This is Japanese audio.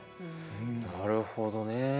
なるほどね。